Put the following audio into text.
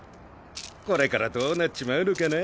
これからどうなっちまうのかな